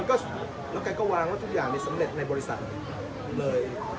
แล้วก็มันกันก็วางแล้วทุกอย่างสำเร็จในบริษัทเลย